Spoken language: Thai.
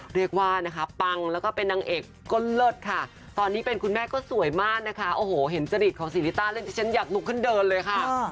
เรียกว่านะคะปังแล้วก็เป็นนางเอกก็เลิศค่ะตอนนี้เป็นคุณแม่ก็สวยมากนะคะโอ้โหเห็นจริตของศรีริต้าเล่นที่ฉันอยากลุกขึ้นเดินเลยค่ะ